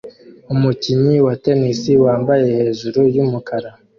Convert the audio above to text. Umukinnyi wa tennis wambaye hejuru yumukara